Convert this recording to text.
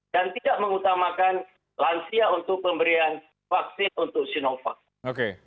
dan tidak mengutamakan lansia untuk pemberian vaksin untuk sinovac